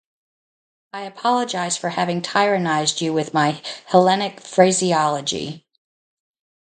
I apologize for having tyrannized you with my Hellenic phraseology.